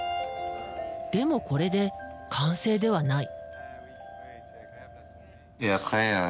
でもこれで完成ではない。